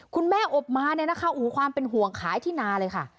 คุณแม่อบมาเนี้ยนะคะอู๋ความเป็นห่วงขายที่นานเลยค่ะ